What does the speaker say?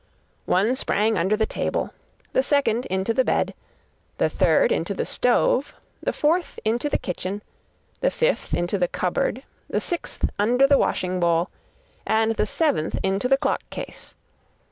One sprang under the table, the second into the bed, the third into the stove, the fourth into the kitchen, the fifth into the cupboard, the sixth under the washing bowl, and the seventh into the clock case.